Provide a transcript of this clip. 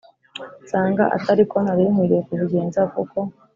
Nsanga atari ko nari nkwiriye kubigenza kuko